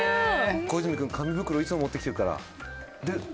小泉君、紙袋をいつも持ってきてるからって。